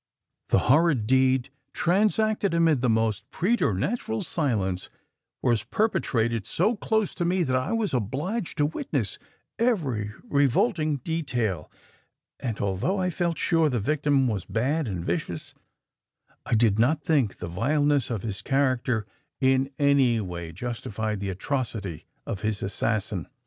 "The horrid deed transacted amid the most preternatural silence was perpetrated so close to me that I was obliged to witness every revolting detail, and although I felt sure the victim was bad and vicious, I did not think the vileness of his character in any way justified the atrocity of his assassin.